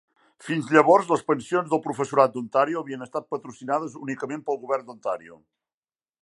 Fins llavors, les pensions del professorat d'Ontario havien estat patrocinades únicament pel govern d'Ontario.